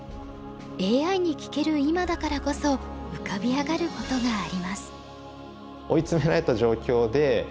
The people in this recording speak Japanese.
ＡＩに聞ける今だからこそ浮かび上がることがあります。